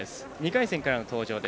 ２回戦からの登場。